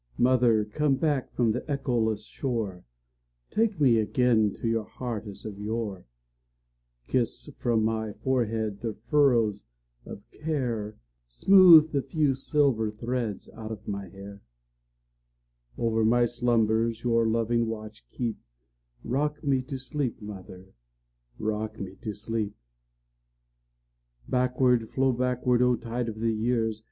Mother, come back from the echoless shore, Take me again to your heart as of yore; Kiss from my forehead the furrows of care, Smooth the few silver threads out of my hair; Over my slumbers your loving watch keep;—Rock me to sleep, mother,—rock me to sleep! Backward, flow backward, O tide of the years!